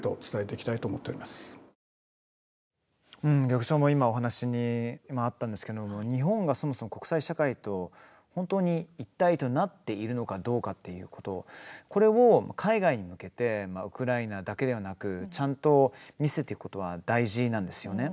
局長も今、お話にもあったんですけれども日本がそもそも国際社会と本当に一体となっているのかどうかっていうことそれを海外に向けてウクライナだけではなくちゃんと見せていくことは大事なんですよね。